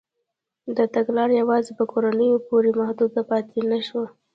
دا تګلاره یوازې په کورنیو پورې محدوده پاتې نه شوه.